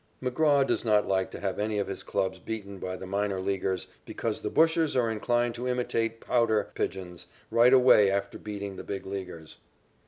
McGraw does not like to have any of his clubs beaten by the minor leaguers, because the bushers are inclined to imitate pouter pigeons right away after beating the Big Leaguers.